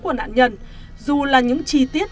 của nạn nhân dù là những chi tiết